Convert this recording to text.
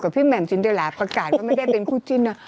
กับพี่แหม่มสินเดียแกรลาประกาศว่าไม่ได้เป็นคู่จิ้นน่ะ